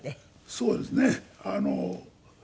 そうですね。